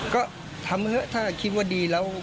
ก็ทำเถอะถ้าคิดว่าดีแล้ว